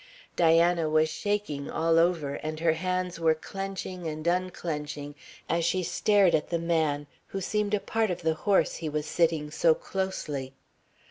Diana was shaking all over and her hands were clenching and unclenching as she stared at the man, who seemed a part of the horse he was sitting so closely.